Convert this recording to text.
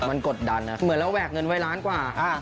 มันกดดันเหมือนเราแหวกเงินไว้ล้านกว่า